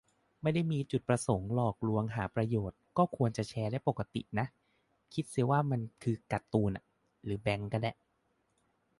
ไม่ได้มีจุดประสงค์หลอกลวงหาประโยชน์ ก็ควรจะแชร์ได้ปกตินะ คิดเสียว่ามันคือการ์ตูนอะ หรือแบงค์ก็ได้